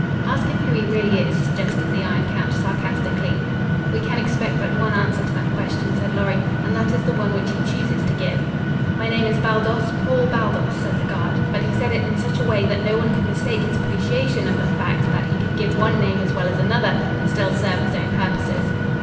"Ask him who he really is," suggested the Iron Count sarcastically. "We can expect but one answer to that question," said Lorry, "and that is the one which he chooses to give." "My name is Baldos Paul Baldos," said the guard, but he said it in such a way that no one could mistake his appreciation of the fact that he could give one name as well as another and still serve his own purposes.